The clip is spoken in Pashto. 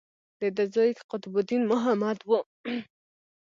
د ده زوی قطب الدین محمد و.